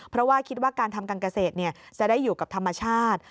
เพราะว่าคิดว่าการทำการเกษตรจะได้อยู่กับธรรมชาติ